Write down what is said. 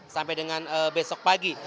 sampai dengan besok pagi